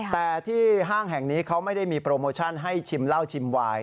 แต่ที่ห้างแห่งนี้เขาไม่ได้มีโปรโมชั่นให้ชิมเหล้าชิมวาย